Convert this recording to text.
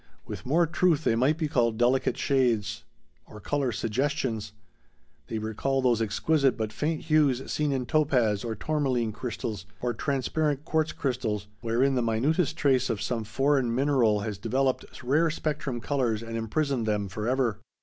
With more truth they might be called delicate shades or color suggestions. They recall those exquisite but faint hues seen in topaz or tourmaline crystals, or transparent quartz crystals, wherein the minutest trace of some foreign mineral has developed rare spectrum colors and imprisoned them forever.